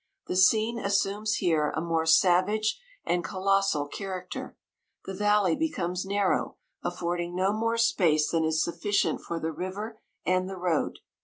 The scene assumes here a more savage and colos sal character: the valley becomes nar row, affording no more space than is sufficient for the river and the road.